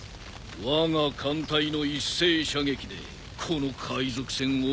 わが艦隊の一斉射撃でこの海賊船を葬る。